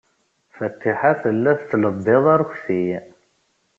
Fatiḥa tella tettlebbiḍ arekti.